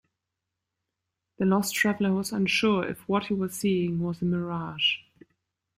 The lost traveller was unsure if what he was seeing was a mirage.